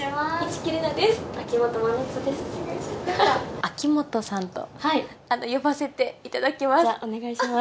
秋元さんと呼ばせていただきお願いします。